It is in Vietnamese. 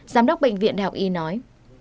giám đốc bệnh viện đại học y nói